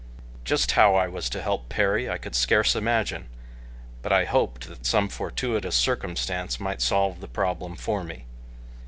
Just how I was to help Perry I could scarce imagine, but I hoped that some fortuitous circumstance might solve the problem for me.